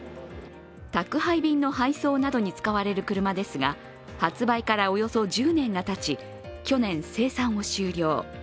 宅配便の配送などに使われる車ですが発売からおよそ１０年がたち去年、生産を終了。